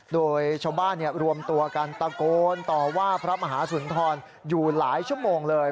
โดยชาวบ้านรวมตัวกันตะโกนต่อว่าพระมหาสุนทรอยู่หลายชั่วโมงเลย